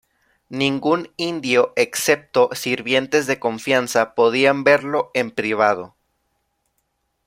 Ningún indio, excepto sirvientes de confianza, podían verlo en privado.